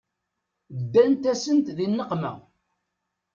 Ddant-asent di nneqma.